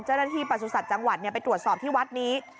เจ้าหน้าที่ประสุนสัตว์จังหวัดเนี้ยไปตรวจสอบที่วัดนี้